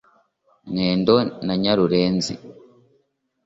Mwendo na Nyarurenzi